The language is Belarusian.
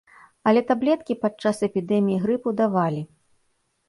Але таблеткі падчас эпідэміі грыпу давалі.